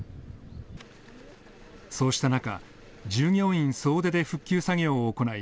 そうした中、従業員総出で復旧作業を行い